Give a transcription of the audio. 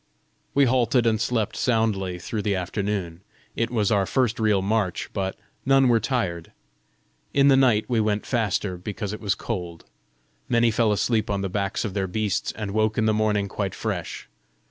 We halted and slept soundly through the afternoon: it was our first real march, but none were tired. In the night we went faster, because it was cold. Many fell asleep on the backs of their beasts, and woke in the morning quite fresh.